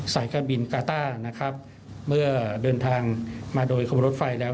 สายการบินกาต้านะครับเมื่อเดินทางมาโดยขบวนรถไฟแล้ว